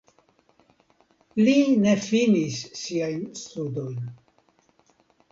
Li ne finis siajn studojn.